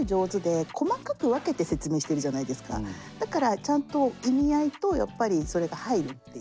あとだからちゃんと意味合いとやっぱりそれが入るっていう。